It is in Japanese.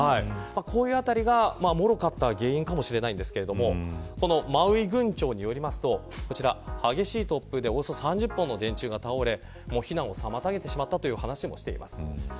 こういうあたりがもろかった原因かもしれませんがマウイ群長によりますと激しい突風でおよそ３０本の電柱が倒れ避難を妨げてしまったという話をしています。